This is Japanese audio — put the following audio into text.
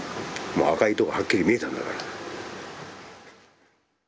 赤い糸がはっきり見えたんだから。